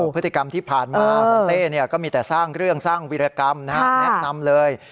พฤติกรรมที่ผ่านมาของเต้ก็มีแต่สร้างเรื่องสร้างวิรกรรมแนะนำเลย